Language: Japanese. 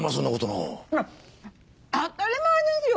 当たり前ですよ！